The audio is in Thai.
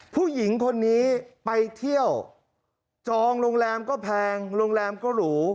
ผู้หญิงคนนี้ไปเที่ยวจองโรงแรมก็แพงโรงแรมก็หรู